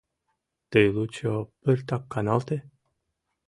— Тый лучо пыртак каналте.